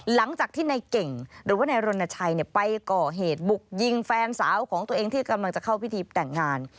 หลังจากที่ในเก่งหรือว่านายรณชัยไปก่อเหตุบุกยิงแฟนสาวของตัวเองที่กำลังจะเข้าพิธีแต่งงาน